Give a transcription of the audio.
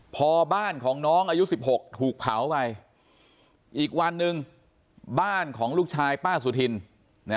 พอบ้านของน้องอายุ๑๖ถูกเผาไปอีกวันหนึ่งบ้านของลูกชายป้าสุธิน